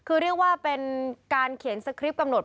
คือเรียกว่าเป็นการเขียนสคริปต์กำหนด